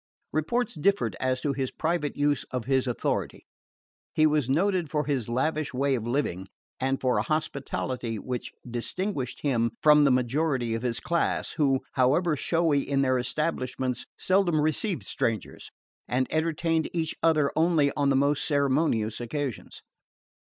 Reports differed as to his private use of his authority. He was noted for his lavish way of living, and for a hospitality which distinguished him from the majority of his class, who, however showy in their establishments, seldom received strangers, and entertained each other only on the most ceremonious occasions.